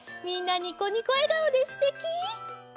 みんなにこにこえがおですてき！